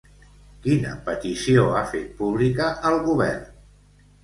Quina petició ha fet pública al govern?